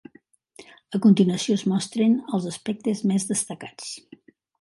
A continuació es mostren els aspectes més destacats.